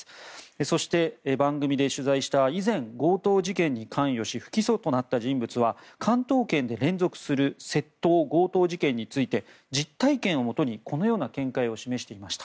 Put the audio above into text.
そして、番組で取材した以前、強盗事件に関与し不起訴となった人物は関東圏で連続する窃盗・強盗事件について実体験をもとに、このような見解を示していました。